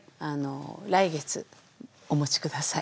来月お持ちください。